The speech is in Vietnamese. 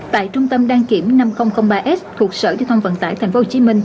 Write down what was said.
tại trung tâm đăng kiểm năm nghìn ba s thuộc sở giao thông vận tải tp hcm